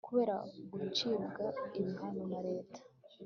kubera gucibwa ibihano na reta